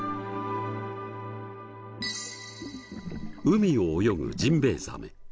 海を泳ぐジンベイザメ。